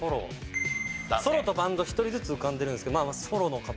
ソロとバンド１人ずつ浮かんでるんですけどソロの方。